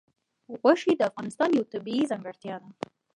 غوښې د افغانستان یوه طبیعي ځانګړتیا ده.